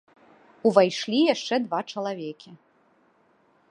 Увайшлі яшчэ два чалавекі.